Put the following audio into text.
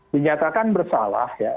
dinyatakan bersalah ya